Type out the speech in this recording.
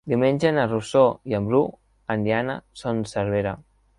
Diumenge na Rosó i en Bru aniran a Son Servera.